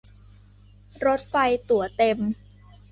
รถไฟตั๋วเต็ม